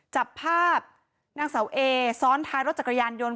จับภาพนางเสาเอซ้อนท้ายรถจักรยานยนต์